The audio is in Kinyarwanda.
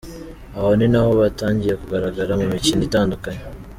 Aho ni naho batangiye kugaragara mu mikino itandukanye.